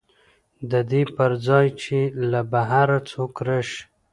د دې پر ځای چې له بهر څوک راشي